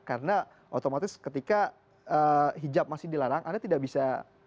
karena otomatis ketika hijab masih dilarang anda tidak bisa